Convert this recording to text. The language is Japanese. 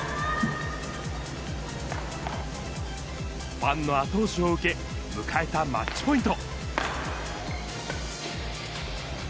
ファンの後押しを受け、迎えたマッチポイント。